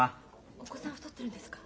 お子さん太ってるんですか？